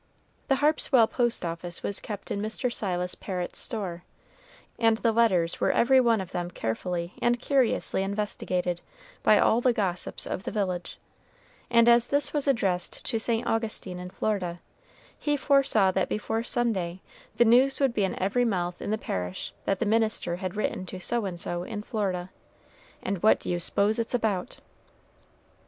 The Harpswell post office was kept in Mr. Silas Perrit's store, and the letters were every one of them carefully and curiously investigated by all the gossips of the village, and as this was addressed to St. Augustine in Florida, he foresaw that before Sunday the news would be in every mouth in the parish that the minister had written to so and so in Florida, "and what do you s'pose it's about?"